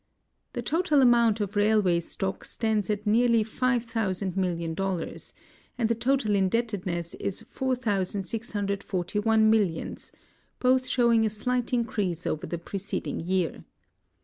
The total amount of railway stock stands at nearly 5,000 million dollars, anel the total indebtedness is 4,641 GEOGRAPHIC WORK IN PERU 407 millions, both showing a slight increase over the preceding year.